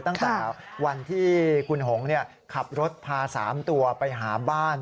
ตั้งแต่วันที่คุณหงขับรถพา๓ตัวไปหาบ้าน